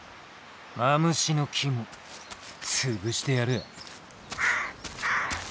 マムシの肝潰してやる！